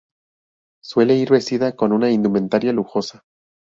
Suele ir vestida con una indumentaria lujosa.